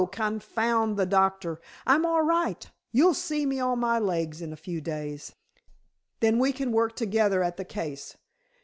Confound the doctor! I'm all right. You'll see me on my legs in a few days." "Then we can work together at the case.